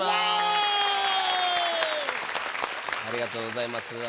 ありがとうございます